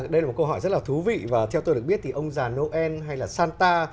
đây là một câu hỏi rất là thú vị và theo tôi được biết thì ông già noel hay là santa